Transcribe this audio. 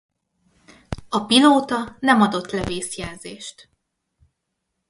A pilóta nem adott le vészjelzést.